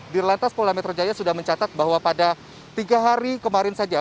di lantas pola metro jaya sudah mencatat bahwa pada tiga hari kemarin saja